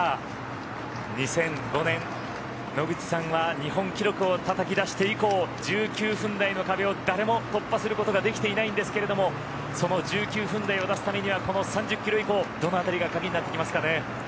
２００５年、野口さんが日本記録をたたき出して以降１９分台の壁を誰も突破することができていないんですけれどもその１９分台を出すためにはこの３０キロ以降どの辺りが鍵になってきますかね。